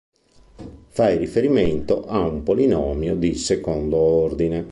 Fai riferimento a polinomio di secondo ordine.